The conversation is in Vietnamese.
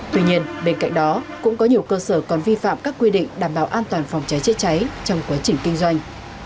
tuy nhiên bên cạnh đó cũng có nhiều cơ sở còn vi phạm các quy định đảm bảo an toàn phòng cháy chữa cháy trong quá trình kinh doanh